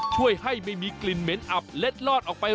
ช่วยให้ไม่มีกลิ่นเหม็นอับเล็ดลอดออกไป